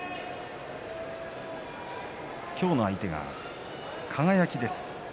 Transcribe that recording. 今日の相手が輝です。